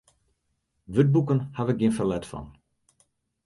Wurdboeken haw ik gjin ferlet fan.